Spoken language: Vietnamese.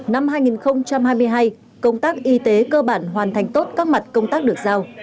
năm hai nghìn hai mươi hai công tác y tế cơ bản hoàn thành tốt các mặt công tác được giao